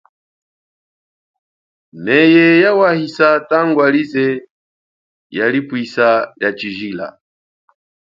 Neye yawahisa tangwa lize yalipwisa lia chijila.